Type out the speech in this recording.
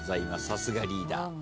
さすがリーダー。